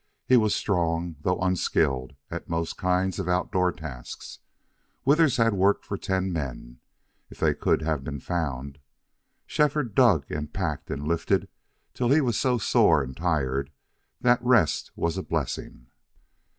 He was strong, though unskilled at most kinds of outdoor tasks. Withers had work for ten men, if they could have been found. Shefford dug and packed and lifted till he was so sore and tired that rest was a blessing.